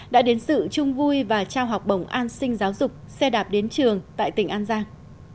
đã đến sự chung vui và trao học bổng an sinh giáo dục xe đạp đến trường tại tỉnh an giang